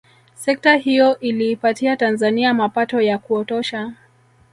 Sekta hiyo iliipatia Tanzania mapato ya kuotosha